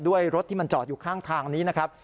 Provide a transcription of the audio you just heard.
รถที่มันจอดอยู่ข้างทางนี้นะครับ